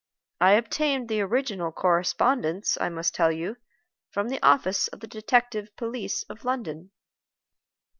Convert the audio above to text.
I obtained the original correspondence, I must tell you, from the office of the Detective Police of London."